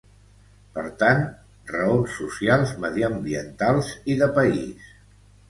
Per tant: raons socials, mediambientals i de país.